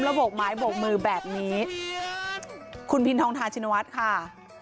โบกไม้โบกมือแบบนี้คุณพินทองทาชินวัฒน์ค่ะ